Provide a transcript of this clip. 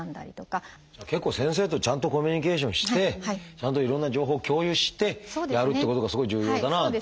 じゃあ結構先生とちゃんとコミュニケーションしてちゃんといろんな情報を共有してやるってことがすごい重要だなという。